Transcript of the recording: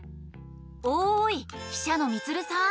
おい記者のみつるさん！